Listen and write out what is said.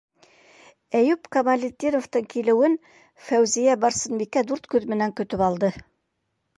Әйүп Камалетдиновтың килеүен Фәүзиә-Барсынбикә дүрт күҙ менән көтөп алды.